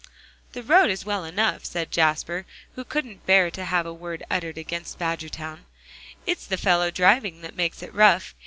"The road is well enough," said Jasper, who couldn't bear to have a word uttered against Badgertown, "it's the fellow's driving that makes it rough.